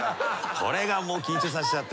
これがもう緊張させちゃってね。